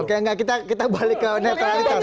oke enggak kita balik ke netralitas